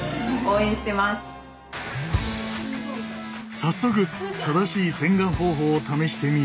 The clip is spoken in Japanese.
早速正しい洗顔方法を試してみる。